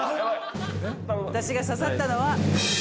私が刺さったのは。